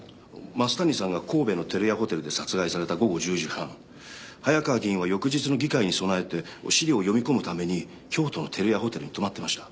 増谷さんが神戸の照屋ホテルで殺害された午後１０時半早川議員は翌日の議会に備えて資料を読み込むために京都の照屋ホテルに泊まってました。